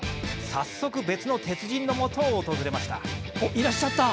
早速、別の鉄人のもとを訪れました。